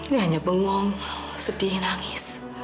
dia hanya bingung sedih nangis